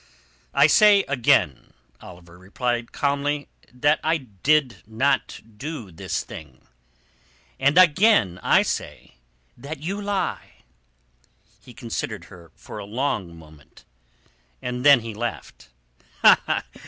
"I say again," Oliver replied calmly, "that I did not do this thing." "And I say again that you lie." He considered her for a long moment; then he laughed.